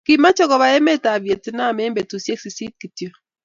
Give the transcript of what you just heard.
Kimache kobaa emetab Vietnam eng betushiek sisit kityo